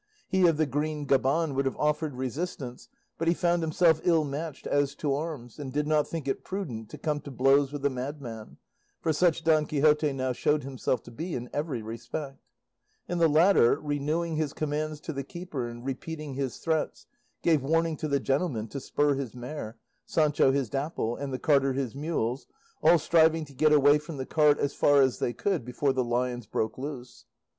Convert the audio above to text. He of the green gaban would have offered resistance, but he found himself ill matched as to arms, and did not think it prudent to come to blows with a madman, for such Don Quixote now showed himself to be in every respect; and the latter, renewing his commands to the keeper and repeating his threats, gave warning to the gentleman to spur his mare, Sancho his Dapple, and the carter his mules, all striving to get away from the cart as far as they could before the lions broke loose.